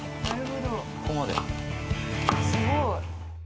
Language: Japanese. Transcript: すごい。